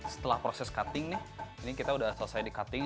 setelah proses cutting ini kita sudah selesai cutting